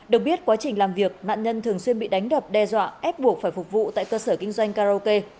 được biết quá trình làm việc nạn nhân thường xuyên bị đánh đập đe dọa ép buộc phải phục vụ tại cơ sở kinh doanh karaoke